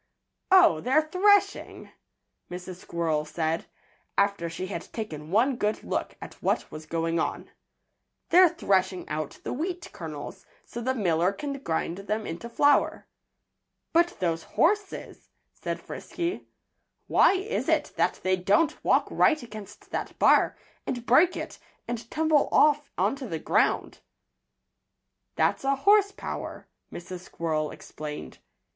"Oh! they're threshing!" Mrs. Squirrel said, after she had taken one good look at what was going on. "They're threshing out the wheat kernels, so the miller can grind them into flour." "But those horses " said Frisky. "Why is it that they don't walk right against that bar, and break it, and tumble off onto the ground?" "That's a horse power," Mrs. Squirrel explained.